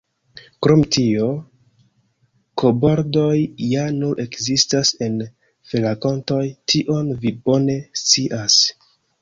Krom tio, koboldoj ja nur ekzistas en ferakontoj; tion vi bone scias.